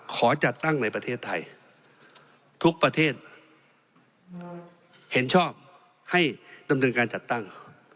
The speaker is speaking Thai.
ขอจัดตั้งในประเทศไทยทุกประเทศเห็นชอบให้ดำเนินการจัดตั้ง